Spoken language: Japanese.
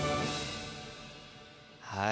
はい。